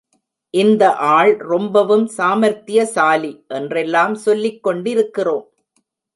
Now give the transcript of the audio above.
இந்த ஆள் ரொம்பவும் சாமர்த்தியசாலி! என்றெல்லாம் சொல்லிக் கொண்டிருக்கிறோம்.